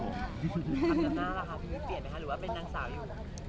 เปลี่ยนไหมคะหรือว่าเป็นนางสาวอยู่